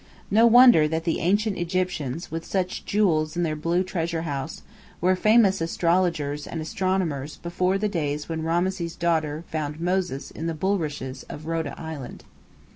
No wonder that the ancient Egyptians, with such jewels in their blue treasure house, were famous astrologers and astronomers before the days when Rameses' daughter found Moses in the bulrushes of Roda Island!